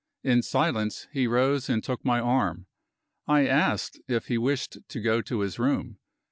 In silence, he rose and took my arm. I asked if he wished to go to his room.